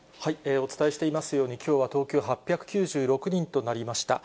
お伝えしていますように、きょうは東京、８９６人となりました。